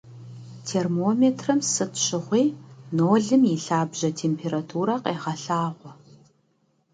Термометрым сыт щыгъуи нолым и лъабжьэ температурэ къегъэлъагъуэ.